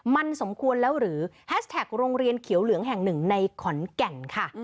มันสมควรแล้วหรือแฮชแท็กโรงเรียนเขียวเหลืองแห่งหนึ่งในขอนแก่นค่ะ